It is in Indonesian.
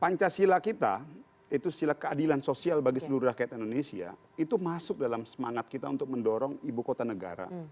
pancasila kita itu sila keadilan sosial bagi seluruh rakyat indonesia itu masuk dalam semangat kita untuk mendorong ibu kota negara